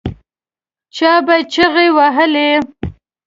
چا به چیغې وهلې.